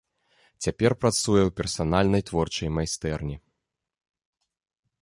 Цяпер працуе ў персанальнай творчай майстэрні.